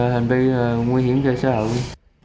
hành vi nguy hiểm cho xã hội